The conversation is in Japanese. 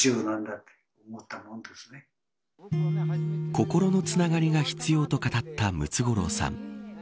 心のつながりが必要と語ったムツゴロウさん。